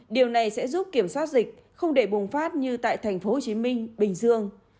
điều này sẽ giúp kiểm soát dịch không để bùng phát như tại tp hcm bình dương